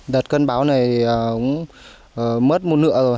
đợt cân báo này thì cũng mất một nửa rồi